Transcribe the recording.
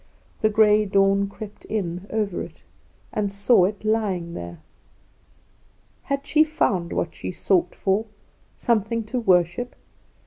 The Grey Dawn crept in over it and saw it lying there. Had she found what she sought for something to worship?